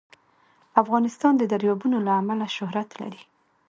افغانستان د دریابونه له امله شهرت لري.